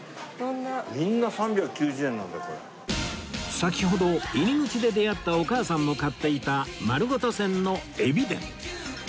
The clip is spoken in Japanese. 先ほど入り口で出会ったお母さんも買っていたまるごとせんのえび伝